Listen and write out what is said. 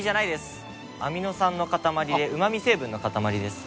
アミノ酸の塊でうまみ成分の塊です。